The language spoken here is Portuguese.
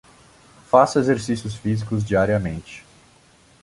Faça exercícios físicos diariamente